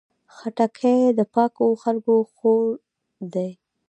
خټکی د پاکو خلکو خوړ دی.